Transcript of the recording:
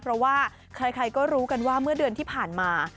เพราะว่าใครก็รู้กันว่าเมื่อเดือนที่ผ่านมา